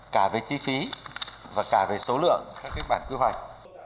cả về chi phí và cả về số lượng các bản quy hoạch